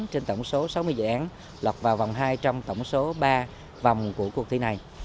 trên tổng số sáu mươi dự án lập vào vòng hai trong tổng số ba vòng của cuộc thi này